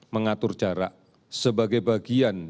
mengatur jarak sebagai bagian